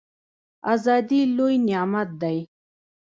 ازادي لوی نعمت دی